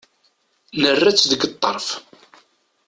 Nerra-tt deg ṭṭerf.